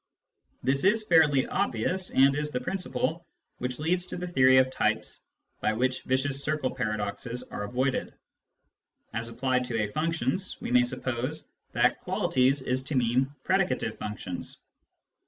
This is fairly obvious, and is the principle which leads to the theory of types by which vicious circle paradoxes are avoided. As applied to ^ functions, we may suppose that " qualities " is to mean " predicative functions."